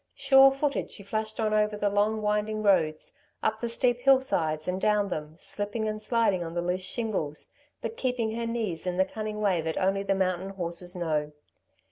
Sure footed, she flashed on over the long winding roads, up the steep hillsides and down them, slipping and sliding on the loose shingles, but keeping her knees in the cunning way that only the mountain horses know.